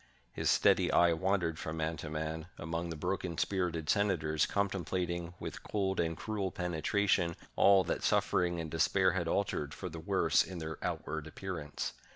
His steady eye wandered from man to man among the broken spirited senators, contemplating, with cold and cruel penetra tion, all that suffering and despair had altered for the worse in their outward appearance.